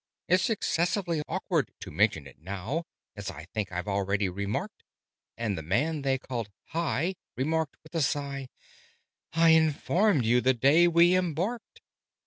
"It's excessively awkward to mention it now As I think I've already remarked." And the man they called "Hi!" replied, with a sigh, "I informed you the day we embarked.